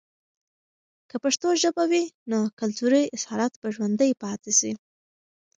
که پښتو ژبه وي، نو کلتوری اصالت به ژوندۍ پاتې سي.